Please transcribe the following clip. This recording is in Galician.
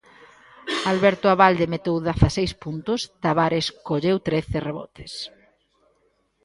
Alberto Abalde meteu dezaseis puntos, Tavares colleu trece rebotes.